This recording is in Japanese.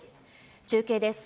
中継です。